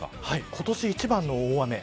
今年一番の大雨。